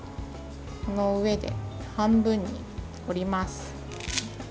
この上で半分に折ります。